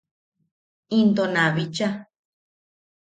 Into na bicha.